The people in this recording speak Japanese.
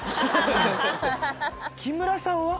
木村さんは？